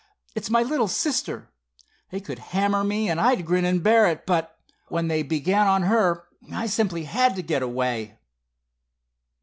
It's my little sister. They could hammer me, and I'd grin and bear it, but when they began on her I simply had to get away."